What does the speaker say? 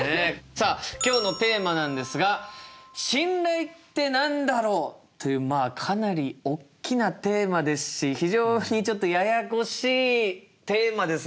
さあ今日のテーマなんですが「『信頼』って何だろう？」っていうかなりおっきなテーマですし非常にちょっとややこしいテーマですね